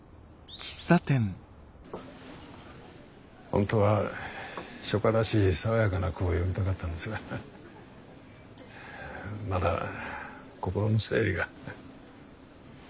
本当は初夏らしい爽やかな句を詠みたかったんですがまだ心の整理が。